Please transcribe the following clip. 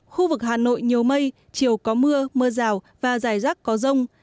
khu vực hà nội nhiều mây chiều có mưa mưa rào và dài rác có rông